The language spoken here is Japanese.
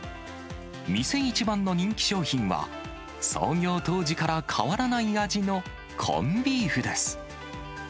店一番の人気商品は、創業当時から変わらない味のコンビーフです。